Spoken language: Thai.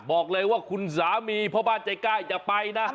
บอกเลยว่าคุณสามีพ่อบ้านใจกล้าอย่าไปนะ